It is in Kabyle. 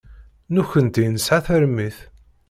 Nekkenti nesɛa tarmit.